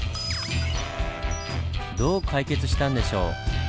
どう解決したんでしょう？